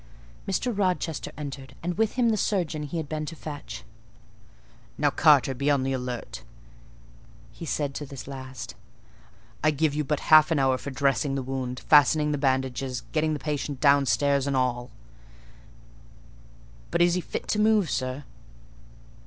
Mr. Rochester entered, and with him the surgeon he had been to fetch. "Now, Carter, be on the alert," he said to this last: "I give you but half an hour for dressing the wound, fastening the bandages, getting the patient downstairs and all." "But is he fit to move, sir?"